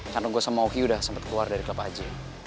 karena gue sama oki udah sempet keluar dari klub aja